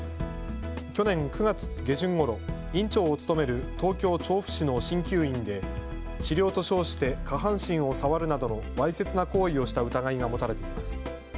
去年９月下旬ごろ、院長を務める東京調布市のしんきゅう院で治療と称して下半身を触るなどのわいせつな行為をした疑いが持たれています。